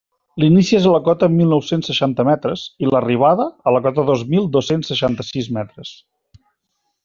L'inici és a la cota mil nou-cents seixanta metres, i l'arribada, a la cota dos mil dos-cents seixanta-sis metres.